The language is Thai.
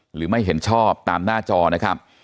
หรือไม่เห็นชอบตามหน้าจอนะครับ